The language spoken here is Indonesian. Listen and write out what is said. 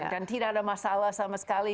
dan tidak ada masalah sama sekali